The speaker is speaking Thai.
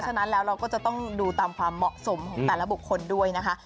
ฉะนั้นแล้วเราก็จะต้องดูตามความเหมาะสมของแต่ละบุคคลด้วยนะคะ